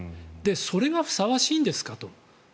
それがふさわしいんですかと。